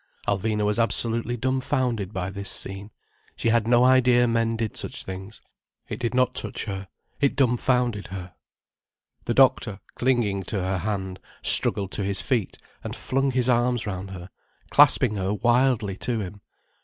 Alvina was absolutely dumbfounded by this scene. She had no idea men did such things. It did not touch her, it dumbfounded her. The doctor, clinging to her hand, struggled to his feet and flung his arms round her, clasping her wildly to him.